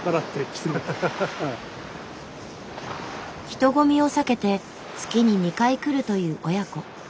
人混みを避けて月に２回来るという親子。